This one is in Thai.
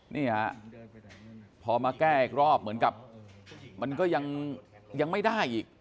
นี่ฮะพอมาแก้อีกรอบเหมือนกับมันก็ยังไม่ได้อีก